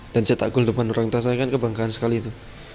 dan cetak gol depan orang tua saya kan kebanggaan sekali itu